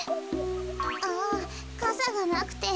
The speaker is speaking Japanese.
あぁかさがなくて。